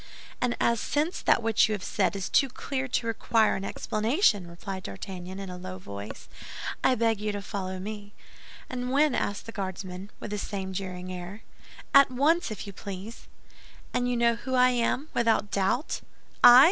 "And as since that which you have said is too clear to require any explanation," replied D'Artagnan, in a low voice, "I beg you to follow me." "And when?" asked the Guardsman, with the same jeering air. "At once, if you please." "And you know who I am, without doubt?" "I?